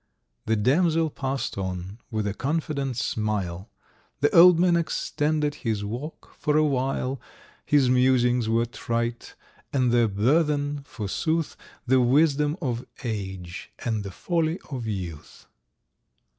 The damsel pass'd on with a confident smile, The old man extended his walk for a while, His musings were trite, and their burthen, forsooth, The wisdom of age, and the folly of youth.